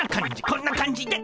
こんな感じで。